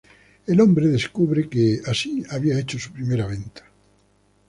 El hombre descubre que, así, había hecho su primera venta.